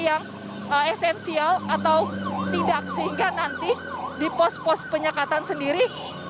yang esensial atau tidak sehingga nanti di pos pos penyekatan sendiri